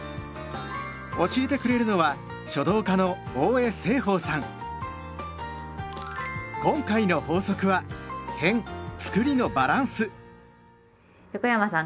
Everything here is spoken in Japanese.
教えてくれるのは今回の法則は横山さん